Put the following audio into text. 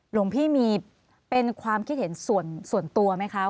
หลวงพี่มีเป็นความคิดเห็นส่วนตัวไหมคะ